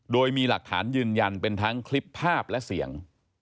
โดยมีหลักฐานยืนยันเป็นทั้งคลิปภาพและเสียง